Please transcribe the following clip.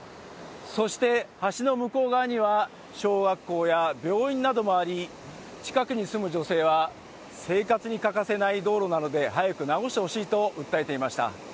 そして、橋の向こう側には小学校や病院などもあり、近くに住む女性は生活に欠かせない道路なので早く直してほしいと訴えていました。